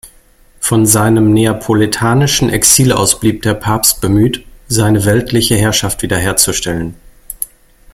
Von seinem neapolitanischen Exil aus blieb der Papst bemüht, seine weltliche Herrschaft wiederherzustellen.